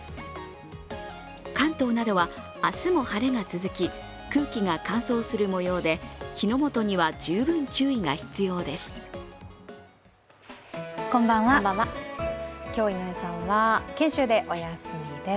関東などは明日も晴れが続き、空気が乾燥する模様で火の元には十分注意が必要です。